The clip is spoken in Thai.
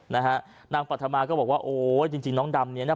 นะฮะนางปัตธมาก็บอกว่าโอ้ยจริงจริงน้องดำเนี้ยน่ะ